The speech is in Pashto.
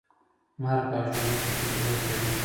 مرګ او ژوبله پکې ډېره کېده.